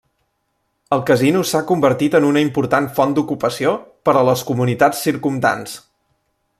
El casino s'ha convertit en una important font d'ocupació per a les comunitats circumdants.